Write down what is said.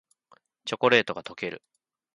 チョコレートがとける